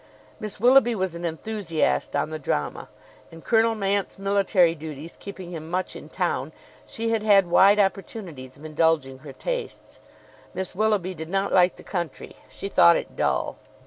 Miss Willoughby was an enthusiast on the drama; and, Colonel Mant's military duties keeping him much in town, she had had wide opportunities of indulging her tastes. Miss Willoughby did not like the country. She thought it dull.